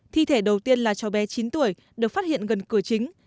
thi thể đầu tiên là cháu bé chín tuổi được phát hiện gần cửa chính